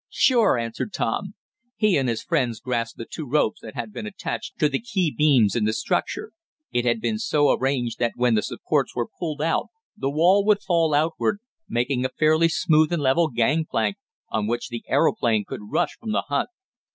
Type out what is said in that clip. "Sure," answered Tom. He and his friends grasped the two ropes that had been attached to the key beams in the structure. It had been so arranged that when the supports were pulled out the wall would fall outward, making a fairly smooth and level gangplank, on which the aeroplane could rush from the hut.